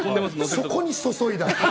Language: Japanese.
そこに注いだ。